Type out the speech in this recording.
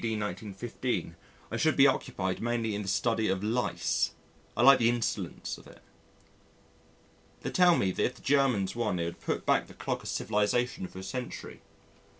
D. 1915 I should be occupied mainly in the study of Lice. I like the insolence of it. They tell me that if the Germans won it would put back the clock of civilisation for a century.